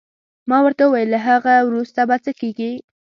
ما ورته وویل: له هغه وروسته به څه کېږي؟